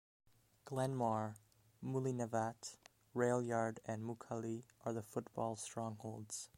Glenmore, Mullinavat, Railyard and Muckalee are the football strongholds.